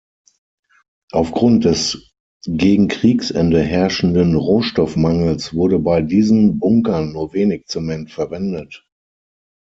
Aufgrund des gegen Kriegsende herrschenden Rohstoffmangels wurde bei diesen Bunkern nur wenig Zement verwendet.